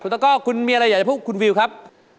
ตะก้อคุณมีอะไรอยากจะพูดคุณวิวครับ